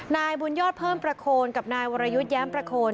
นายบุญยอดเพิ่มประโคนกับนายวรยุทธ์แย้มประโคน